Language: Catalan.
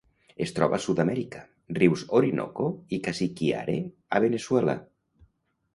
Es troba a Sud-amèrica: rius Orinoco i Casiquiare a Veneçuela.